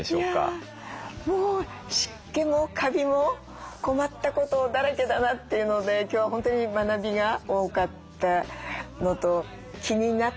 いやもう湿気もカビも困ったことだらけだなっていうので今日は本当に学びが多かったのと気になったところ